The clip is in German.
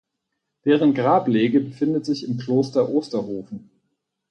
Deren Grablege befindet sich im Kloster Osterhofen.